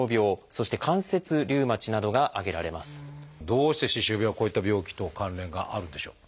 どうして歯周病はこういった病気と関連があるんでしょう？